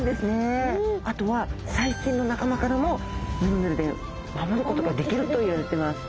あとは細菌の仲間からもヌルヌルで守ることができるといわれてます。